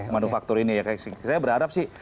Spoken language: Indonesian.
manufaktur ini ya saya berharap sih